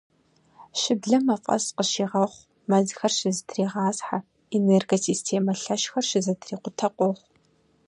Щыблэм мафӏэс къыщигъэхъу, мэзхэр щызэтригъасхьэ, энергосистемэ лъэщхэр щызэтрикъутэ къохъу.